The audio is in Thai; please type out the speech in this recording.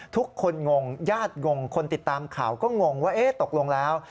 ทุกคนงงญาติงงคนติดตามข่าวก็งงว่าตกลงแล้ว